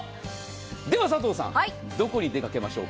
では佐藤さんどこに出掛けましょうか。